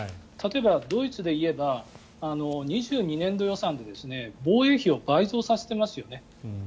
例えば、ドイツで言えば２２年度予算で防衛費を倍増させていますよね。